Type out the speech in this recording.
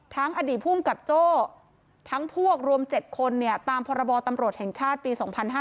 ทั้งอดีตผู้มกับโจ้ทั้งพวกรวม๗คนเนี่ยตามพรบอตำรวจแห่งชาติปี๒๕๔๗